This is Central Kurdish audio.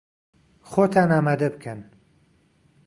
خۆتان ئامادە بکەن!